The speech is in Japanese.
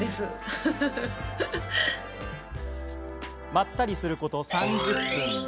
まったりすること３０分。